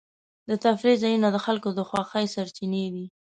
د تفریح ځایونه د خلکو د خوښۍ سرچینې دي.